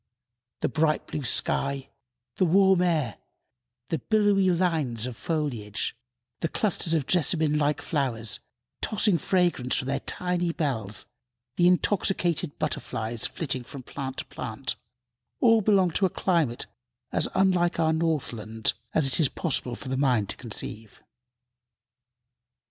The bright blue sky, the warm air, the billowy lines of foliage, the clusters of jessamine like flowers, tossing fragrance from their tiny bells, the intoxicated butterflies flitting from plant to plant, all belong to a climate as unlike our northland as it is possible for the mind to conceive.